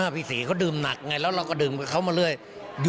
พี่ศรีเขาดื่มหนักไงแล้วเราก็ดื่มกับเขามาเรื่อย